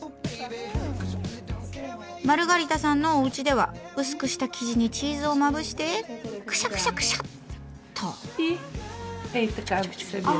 マルガリタさんのおうちでは薄くした生地にチーズをまぶしてクシャクシャクシャッと。